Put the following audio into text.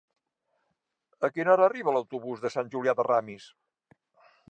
A quina hora arriba l'autobús de Sant Julià de Ramis?